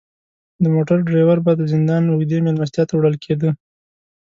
د موټر دریور به د زندان اوږدې میلمستیا ته وړل کیده.